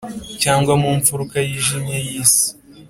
cyangwa mu mfuruka yijimye y’isi,